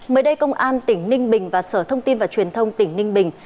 mới đây công an tỉnh ninh bình và sở thông tin và truyền thông tỉnh ninh bình